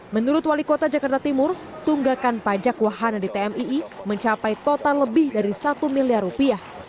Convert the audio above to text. menurut wali kota jakarta timur tunggakan pajak wahana di tmii mencapai total lebih dari satu miliar rupiah